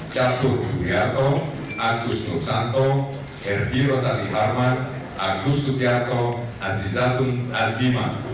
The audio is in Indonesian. cato dugriarto agus nusanto herbi rosali harman agus dutjarto azizatun azima